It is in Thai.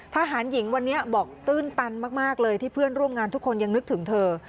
ทหารหญิงวันนี้บอกตื้นตันมากเลยที่เพื่อนร่วมงานทุกคนยังนึกถึงเธอ